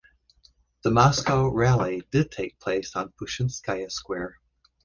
The Moscow rally did take place on Pushkinskaya Square.